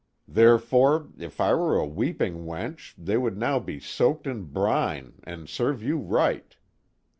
Therefore if I were a weeping wench they would now be soaked in brine and serve you right.